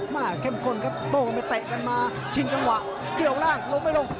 มากเข้มคนครับโต้ไปเตะกันชิงจังหวะเกี่ยวกล้านลงไปลง